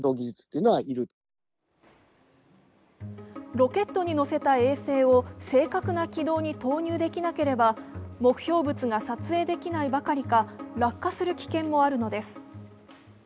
ロケットに乗せた衛星を正確な軌道に投入できなければ目標物が撮影できないばかりか、落下する危険もあるのです。